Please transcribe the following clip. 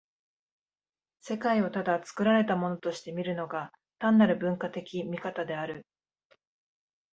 世界をただ作られたものとして見るのが、単なる文化的見方である。